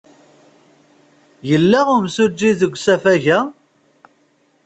Yella yimsujji deg usafag-a?